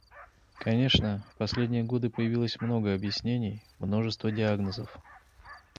Конечно, в последние годы появилось много объяснений, множество диагнозов,.